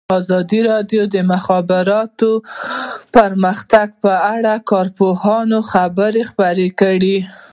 ازادي راډیو د د مخابراتو پرمختګ په اړه د کارپوهانو خبرې خپرې کړي.